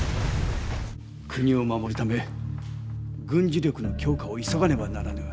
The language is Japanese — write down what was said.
国を守るため軍事力の強化を急がねばならぬ。